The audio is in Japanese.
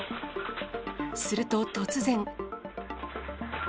すると突然。